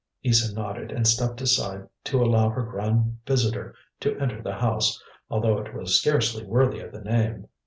Isa nodded, and stepped aside to allow her grand visitor to enter the house, although it was scarcely worthy of the name.